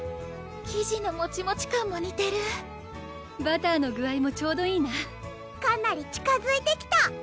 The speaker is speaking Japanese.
生地のモチモチ感もにてるバターの具合もちょうどいいなかなり近づいてきた！